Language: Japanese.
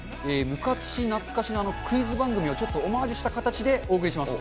昔懐かしのクイズ番組をちょっとオマージュした形でお届けします。